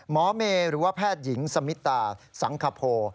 หมอเมย์หรือว่าแพทย์หญิงสมิตาสังคโภ